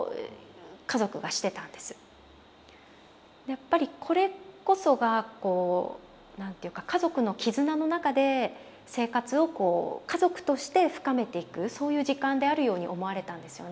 やっぱりこれこそがこう何ていうか家族の絆の中で生活をこう家族として深めていくそういう時間であるように思われたんですよね。